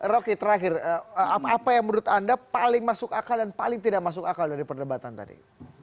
rocky terakhir apa yang menurut anda paling masuk akal dan paling tidak masuk akal dari perdebatan tadi